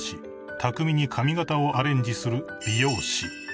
巧みに髪形をアレンジする］